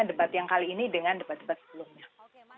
debat yang kali ini dengan debat debat sebelumnya